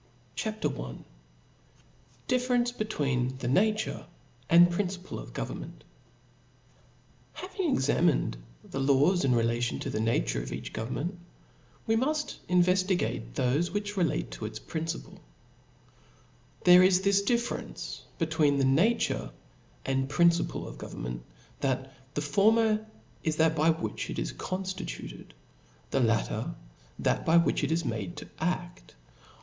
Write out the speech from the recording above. CHAP. L difference between the Nature and Principle of Government. AFTER having examined the laws relative B o o ^ to the nature of each government, wechap/i. muft inveftigatc thofe which relate to its*^*^»» principle. There is this difference between * the nature and principle of government ; that the former is diat by which it is conftituted, the latter that by which it is made to aft.